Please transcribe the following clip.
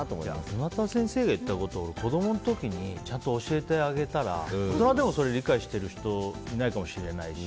沼田先生が言ったこと子供の時にちゃんと教えてあげたら大人でも、それ理解してる人いないかもしれないし。